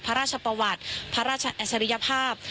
พระราชประวัติพระราชอัจฉริยภาพ